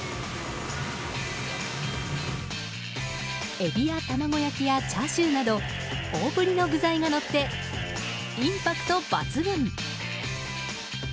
エビや卵焼きやチャーシューなど大ぶりの具材がのってインパクト抜群！